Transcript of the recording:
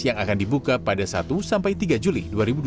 yang akan dibuka pada satu sampai tiga juli dua ribu dua puluh